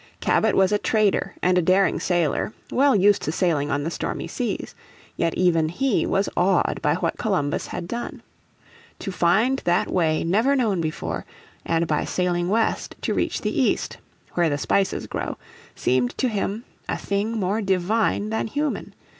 Cabot was a trader and a daring sailor, well used to sailing on the stormy seas. Yet even he was awed by what Columbus had done. To find that way never known before, and by sailing west to reach the east "where the spices grow" seemed to him " a thing more divine than human.